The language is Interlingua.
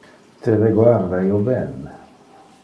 Te reguarda io ben?